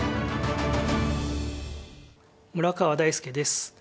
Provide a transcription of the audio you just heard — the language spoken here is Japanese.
村川大介です。